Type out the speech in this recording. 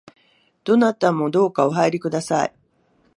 どなたもどうかお入りください